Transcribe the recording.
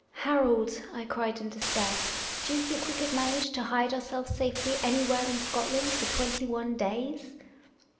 " Harold," I cried in despair, " do you think we could manage to hide ourselves safely anywhere in Scotland for twenty one days